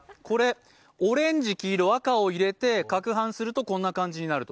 オレンジ、黄色、赤を入れてかくはんするとこんな感じになると。